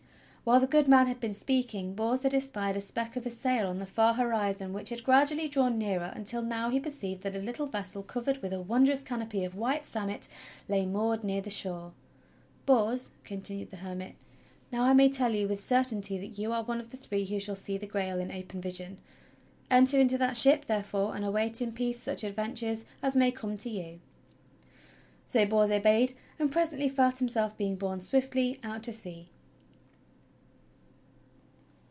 While the good man had been speaking, Bors had espied a speck of a sail on the far horizon which had gradually drawn nearer until now he perceived that a little vessel covered with a wondrous canopy of white samite lay moored near the shore. "Bors," continued the hermit, "now I may tell you with certainty that you are one of the three who shall see the Grail in open vision. Enter into that ship, therefore, and await in peace such adventures as may come to you." So Bors obeyed, and presently felt himself being borne swiftly out to sea.